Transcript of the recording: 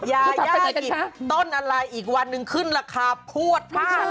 ยาเสพติดต้นอะไรอีกวันหนึ่งขึ้นราคาพวด